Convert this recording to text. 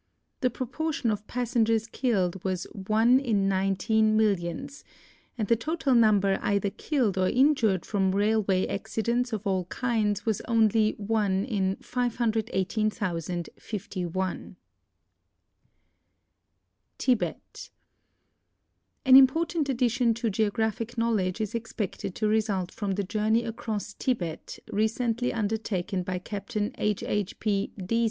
The proportion of passengers killed was one in nineteen millions, and the total number either killed or in jured from railway accidents of all kinds was only 1 in 518,051. Tihet. An important addition to geographic knowledge is expected to result from the journey across Tibet recently undertaken by Captain II. II. P.